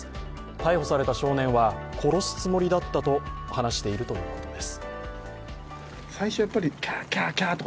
逮捕された少年は、殺すつもりだったと話しているということです。